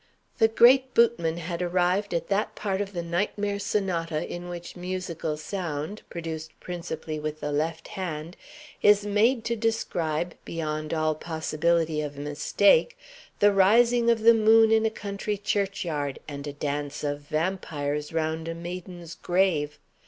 The great Bootmann had arrived at that part of the Nightmare Sonata in which musical sound, produced principally with the left hand, is made to describe, beyond all possibility of mistake, the rising of the moon in a country church yard and a dance of Vampires round a maiden's grave.